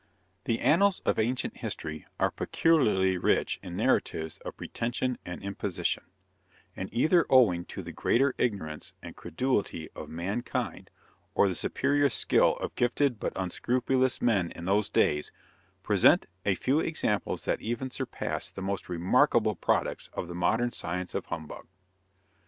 The annals of ancient history are peculiarly rich in narratives of pretension and imposition, and either owing to the greater ignorance and credulity of mankind, or the superior skill of gifted but unscrupulous men in those days, present a few examples that even surpass the most remarkable products of the modern science of humbug.